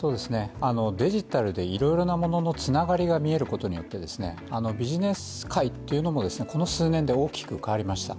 デジタルで、いろいろなもののつながりが見えることによってビジネス界もこの数年で大きく変わりました。